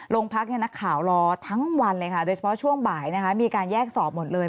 โรงพักษณ์เนี่ยนักข่าวรอทั้งวันเลยค่ะโดยเฉพาะช่วงบ่ายนะคะมีการแยกสอบหมดเลย